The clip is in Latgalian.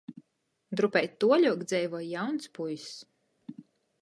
Drupeit tuoļuok dzeivoj jauns puiss.